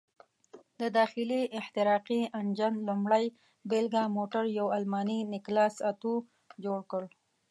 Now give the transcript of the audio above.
د داخلي احتراقي انجن لومړۍ بېلګه موټر یو الماني نیکلاس اتو جوړ کړ.